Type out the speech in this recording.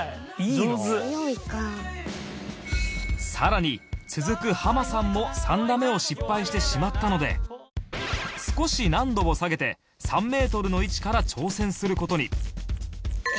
更に続くハマさんも３打目を失敗してしまったので少し難度を下げて３メートルの位置から挑戦する事に